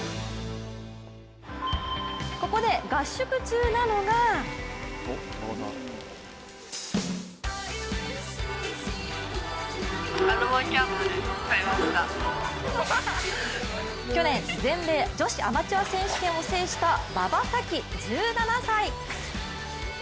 ここで合宿中なのが去年、全米女子アマチュア選手権を制した馬場咲希１７歳。